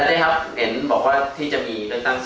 อาจารย์นี่ครับเห็นบอกว่าที่จะมีเรื่องตั้งซอม